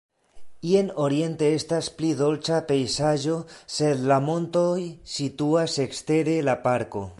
Jen oriente estas pli dolĉa pejzaĝo, sed la montoj situas ekstere la parko.